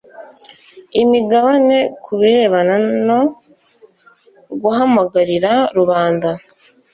Imigabane ku birebana no guhamagarira rubanda